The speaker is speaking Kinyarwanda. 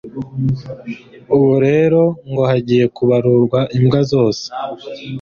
Ubu rero ngo hagiye kubarurwa imbwa zose